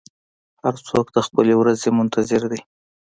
هر څوک د خپلې ورځې منتظر دی.